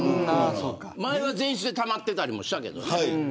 前は前室でたまってたりもしたけどね。